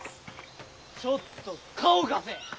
ちょっと顔貸せ。